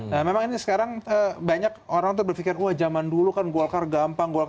nah memang ini sekarang banyak orang tuh berpikir wah zaman dulu kan golkar gampang golkar